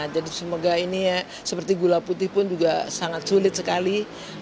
jadi semoga ini seperti gula putih pun juga sangat sulit sekali